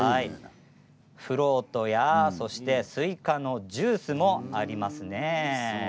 フロートやスイカのジュースもありますね。